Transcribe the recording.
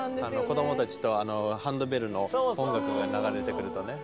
子供たちとあのハンドベルの音楽が流れてくるとね。